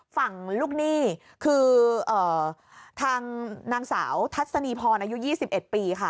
ฝั่งลูกหนี้คือทางนางสาวทัศนีพรอายุ๒๑ปีค่ะ